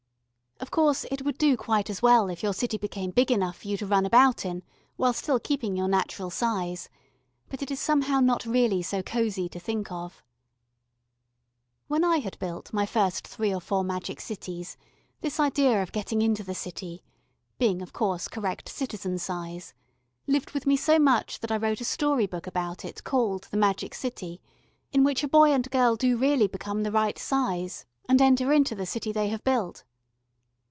Of course, it would do quite as well if your city became big enough for you to run about in while still keeping your natural size but it is somehow not really so cosy to think of. When I had built my first three or four magic cities this idea of getting into the city being, of course, correct citizen size lived with me so much that I wrote a story book about it called The Magic City,[A] in which a boy and girl do really become the right size and enter into the city they have built.